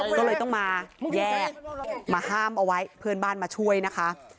ก็เลยต้องมาแยกมาห้ามเอาไว้เพื่อนบ้านมาช่วยนะคะ